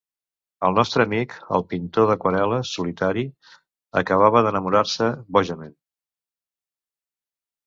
El nostre amic, el pintor d'aquarel·les solitari, acabava d'enamorar-se, bojament.